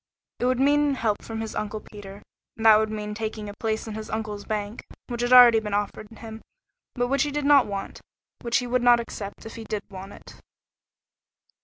It would mean help from his Uncle Peter, and that would mean taking a place in his uncle's bank, which had already been offered him, but which he did not want, which he would not accept if he did want it.